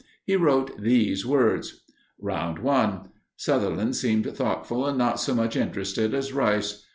He wrote these words: Round 1. Sutherland seemed thoughtful and not so much interested as Rice.